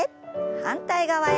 反対側へ。